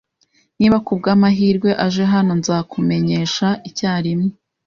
Niba kubwamahirwe aje hano, nzakumenyesha icyarimwe